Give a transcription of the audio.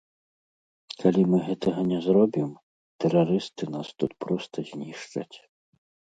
Калі мы гэтага не зробім, тэрарысты нас тут проста знішчаць.